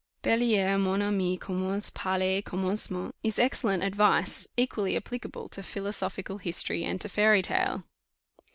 "Belier, mon ami, commences par le commencement," is excellent advice; equally applicable to philosophical history and to fairy tale.